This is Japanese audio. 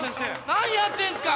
何やってんすか？